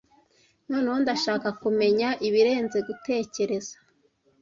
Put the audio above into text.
noneho ndashaka kumenya ibirenze gutekereza